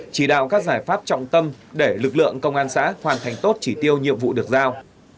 chỉ đạo các giải pháp trọng tâm để lực lượng công an xã hoàn thành tốt chỉ tiêu nhiệm vụ được giao